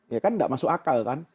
ya kan tidak masuk akal kan